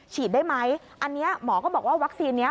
ได้ไหมอันนี้หมอก็บอกว่าวัคซีนนี้